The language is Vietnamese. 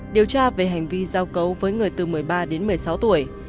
điều tra về hành vi giao cấu với người từ một mươi ba đến một mươi sáu tuổi